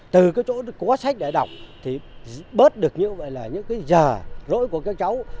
từ cái chỗ có sách để đọc thì bớt được những cái giờ rỗi của các cháu